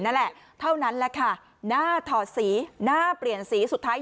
นั่นแหละเท่านั้นแหละค่ะหน้าถอดสีหน้าเปลี่ยนสีสุดท้าย